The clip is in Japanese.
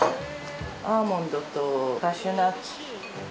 アーモンドとカシューナッツ。